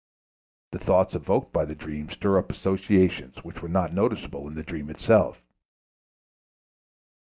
The thoughts evoked by the dream stir up associations which were not noticeable in the dream itself.